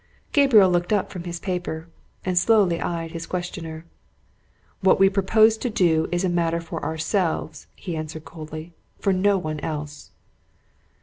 Gabriel looked up from his paper, and slowly eyed his questioner. "What we propose to do is a matter for ourselves," he answered coldly. "For no one else."